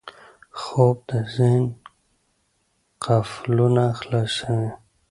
خوب د ذهن قفلونه خلاصوي